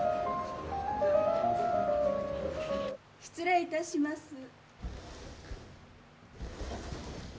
失礼いたします。